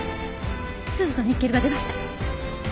スズとニッケルが出ました。